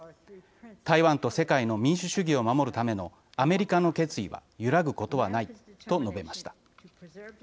台湾と世界の民主主義を守るためのアメリカの決意は揺らぐことはない」と述べました。